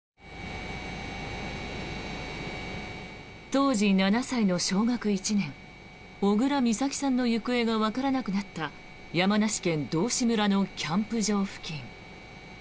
当時７歳の小学１年小倉美咲さんの行方がわからなくなった山梨県道志村のキャンプ場付近。